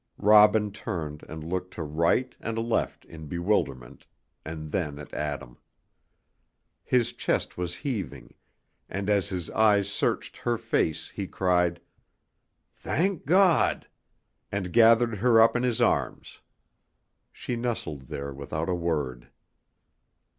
Robin turned and looked to right and left in bewilderment, and then at Adam. His chest was heaving, and as his eyes searched her face he cried, "Thank God," and gathered her up in his arms. She nestled there without a word.